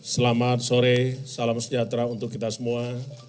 selamat sore salam sejahtera untuk kita semua